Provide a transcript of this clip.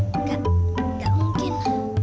tidak tidak mungkin